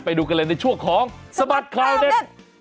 ไปดูกันเลยในช่วงของสบัดข่าวเด็ด